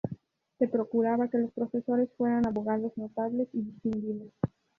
Se procuraba que los profesores fueran abogados notables y distinguidos.